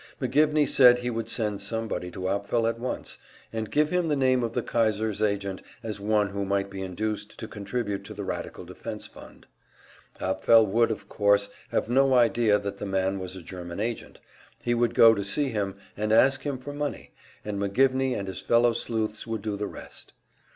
McGivney said he would send somebody to Apfel at once, and give him the name of the Kaiser's agent as one who might be induced to contribute to the radical defense fund. Apfel would, of course, have no idea that the man was a German agent; he would go to see him, and ask him for money, and McGivney and his fellow sleuths would do the rest.